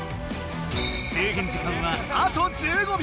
制限時間はあと１５秒。